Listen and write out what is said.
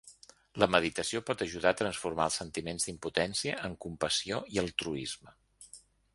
La meditació pot ajudar a transformar els sentiments d’impotència en compassió i altruisme.